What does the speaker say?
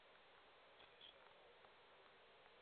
چه شود